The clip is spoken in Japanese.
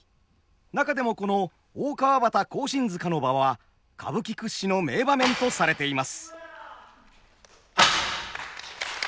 中でもこの「大川端庚申塚の場」は歌舞伎屈指の名場面とされています。